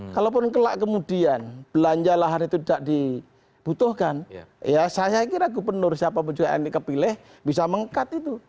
kalaupun kemudian belanja lahan itu tidak dibutuhkan saya kira gubernur siapa pun juga yang dipilih bisa mengikat itu